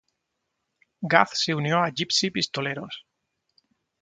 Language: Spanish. Gaz se unió a Gypsy Pistoleros.